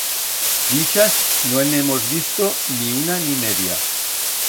D'ixas, no en hemos visto ni una ni media.